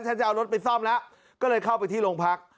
จะเอารถไปซ่อมแล้วก็เลยเข้าไปที่โรงพัก